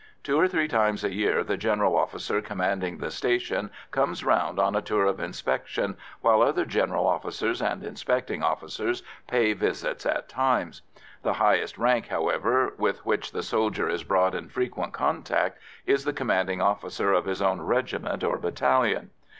Two or three times a year the general officer commanding the station comes round on a tour of inspection, while other general officers and inspecting officers pay visits at times. The highest rank, however, with which the soldier is brought in frequent contact is the commanding officer of his own regiment or battalion.